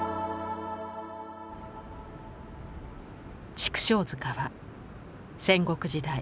「畜生塚」は戦国時代